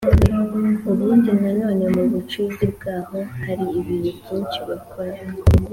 ubundi na none mu bucuzi bwaho hari ibintu byinshi bakoraga